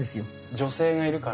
女性がいるから？